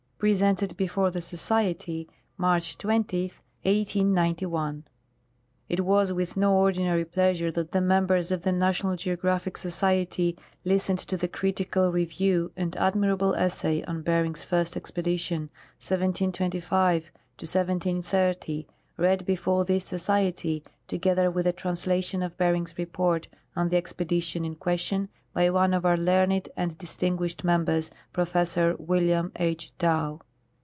(Prese'iited before the Society March 20, 1891.) It was Avith no ordinary pleasure that the members of the National Geographic Society listened to the critical review and admirable essay on Bering's first expedition, 1725 1730, read before this Society, together with a translation of Bering's report on the expedition in question, by one of our learned and distin guished members. Professor William H. Dall.